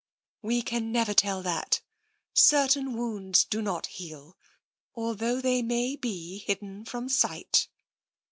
" We can never tell that. Certain wounds do not heal, although they may be hidden from sight."